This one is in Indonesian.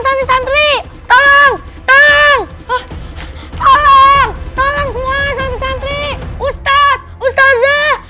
semua santri santri ustadz ustadz